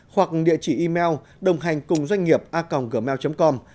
hoặc địa chỉ email đồnghànhcungdoanhnghiệpaconggmail com